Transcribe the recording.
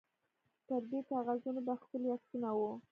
پر دې کاغذانو به ښکلي عکسونه وو.